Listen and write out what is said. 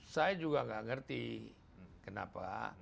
saya juga nggak ngerti kenapa